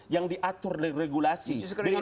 yang diatur regulasi